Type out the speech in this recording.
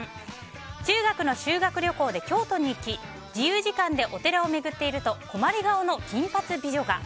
中学の修学旅行で京都に行き自由時間でお寺を巡っていると困り顔の金髪美女が。